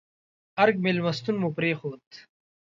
ارګ مېلمستون مو پرېښود.